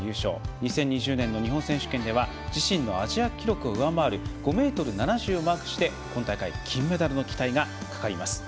２０２０年の日本選手権では自身のアジア記録を上回る５ｍ７０をマークして今大会金メダルの期待がかかります。